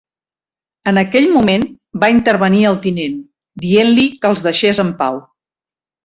En aquell moment, va intervenir el tinent, dient-li que els deixés en pau.